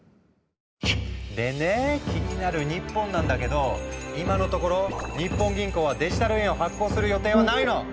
でね気になる日本なんだけど今のところ日本銀行はデジタル円を発行する予定はないの。